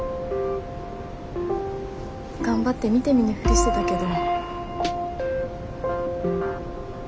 頑張って見て見ぬふりしてたけど。